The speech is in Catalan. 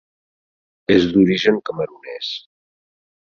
És d'origen camerunès.